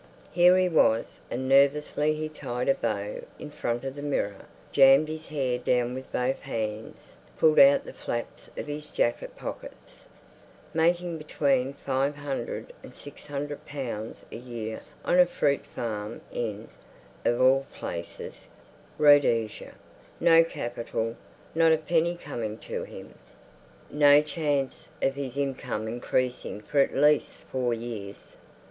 Here he was! And nervously he tied a bow in front of the mirror, jammed his hair down with both hands, pulled out the flaps of his jacket pockets. Making between £500 and £600 a year on a fruit farm in—of all places—Rhodesia. No capital. Not a penny coming to him. No chance of his income increasing for at least four years.